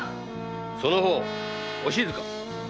その方お静か？